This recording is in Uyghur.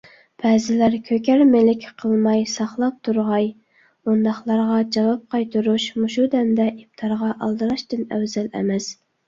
بەزىلەر كۆكەرمىلىك قىلماي ساقلاپ تۇرغاي. ئۇنداقلارغا جاۋاب قايتۇرۇش مۇشۇ دەمدە ئىپتارغا ئالدىراشتىن ئەۋزەل ئەمەس.